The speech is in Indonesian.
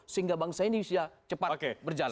sehingga bangsa indonesia cepat berjalan